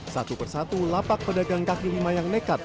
satu persatu lapak pedagang kaki lima yang nekat